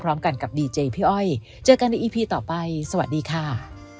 พร้อมกันกับดีเจพี่อ้อยเจอกันในอีพีต่อไปสวัสดีค่ะ